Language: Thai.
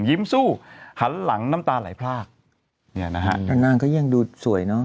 ยิ้มสู้หันหลังน้ำตาไหลพลากเนี่ยนะฮะแล้วนางก็ยังดูสวยเนอะ